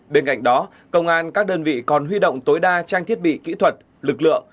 bên cạnh đó công an các đơn vị còn huy động tối đa trang thiết bị kỹ thuật lực lượng